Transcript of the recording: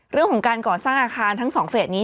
เรื่องของการก่อสร้างอาคารทั้งสองเฟสนี้